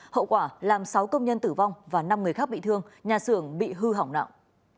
hậu quả làm sáu công nhân tử vong và năm người khác bị thương nhà xưởng bị hư hỏng nặng